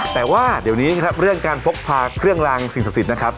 แต่ว่าเดี๋ยวนี้นะครับเรื่องการพกพาเครื่องลางสิ่งศักดิ์สิทธิ์นะครับ